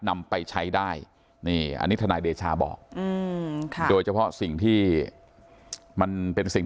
นำไปใช้ได้นี่อันนี้ทนายเดชาบอกโดยเฉพาะสิ่งที่มันเป็นสิ่ง